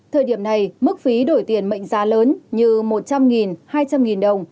thời điểm này mức phí đổi tiền mệnh giá lớn như một trăm linh hai trăm linh đồng